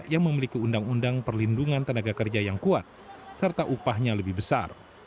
yang memiliki undang undang perlindungan tenaga kerja yang kuat serta upahnya lebih besar